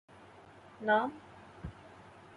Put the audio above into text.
نام؟